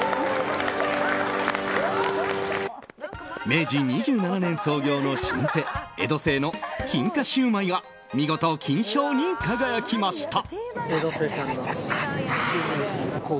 明治２７年創業の老舗江戸清の金華シウマイが見事、金賞に輝きました！